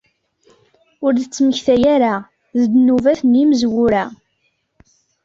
Ur d-ttmektay ara d ddnubat n yimezwura.